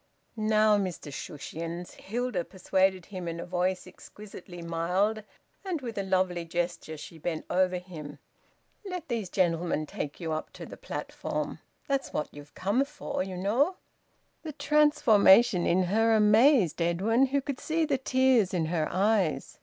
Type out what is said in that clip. "Now, Mr Shushions," Hilda persuaded him in a voice exquisitely mild, and with a lovely gesture she bent over him. "Let these gentlemen take you up to the platform. That's what you've come for, you know." The transformation in her amazed Edwin, who could see the tears in her eyes.